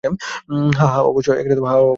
হ্যাঁঁ, হ্যাঁঁ, অবশ্যই।